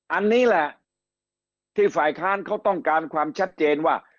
อันนี้แหละที่ฝ่ายค้านเขาต้องการความชัดเจนว่า